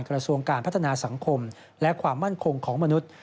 กระทรวงการพัฒนาสังคมและความมั่นคงของมนุษย์